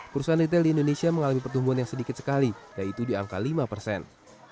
perusahaan retail di indonesia mengalami pertumbuhan yang sedikit sekali yaitu di angka lima persen